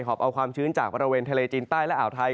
อบเอาความชื้นจากบริเวณทะเลจีนใต้และอ่าวไทย